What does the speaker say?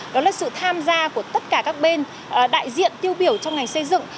đó là sự tham gia của tất cả các bên đại diện tiêu biểu trong ngành xây dựng